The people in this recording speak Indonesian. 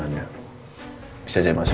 akan dipeluk priestim dong kearsean